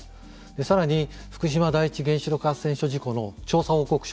さらに福島第一原子力発電所事故の調査報告書